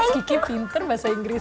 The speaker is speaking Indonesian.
ki ki pinter bahasa inggris